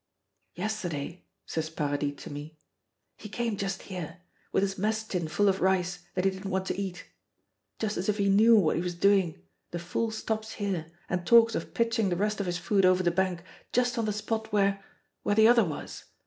"Yesterday," says Paradis to me, "he came just here, with his mess tin full of rice that he didn't want to eat. Just as if he knew what he was doing, the fool stops here and talks of pitching the rest of his food over the bank, just on the spot where where the other was.